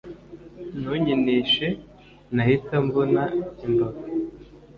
Ntunkinishe ntahita nkuvuna imbavu